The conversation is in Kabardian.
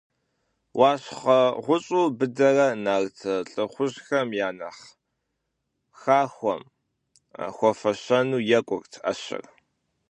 Уащхъуэ гъущӏу быдэрэ, нарт лӏыхъужьхэм я нэхъ хахуэм хуэфэщэну екӏурт ӏэщэр.